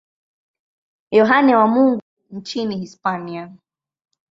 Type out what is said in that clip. Yohane wa Mungu nchini Hispania.